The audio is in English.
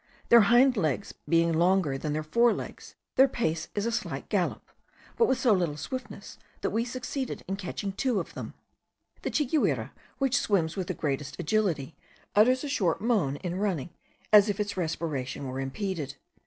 Their hind legs being longer than their fore legs, their pace is a slight gallop, but with so little swiftness that we succeeded in catching two of them. The chiguire, which swims with the greatest agility, utters a short moan in running, as if its respiration were impeded.